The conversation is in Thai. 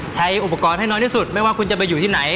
ใช้อุปกรณ์ให้น้อยที่สุดไม่ว่าคุณจะไปอยู่ที่ไหน